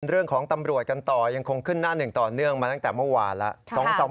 เรื่องของตำรวจกันต่อยังคงขึ้นหน้าหนึ่งต่อเนื่องมาตั้งแต่เมื่อวานแล้ว